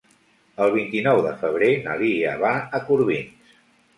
El vint-i-nou de febrer na Lia va a Corbins.